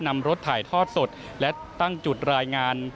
นำรถถ่ายทอดสดและตั้งจุดรายงาน